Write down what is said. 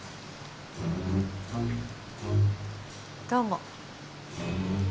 どうも。